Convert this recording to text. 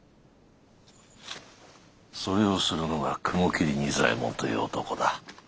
それをするのが雲霧仁左衛門という男だ。